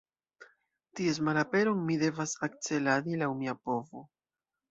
Ties malaperon mi devas akceladi laŭ mia povo.